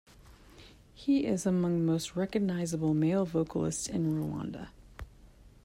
He is among the most recognizable male vocalists in Rwanda.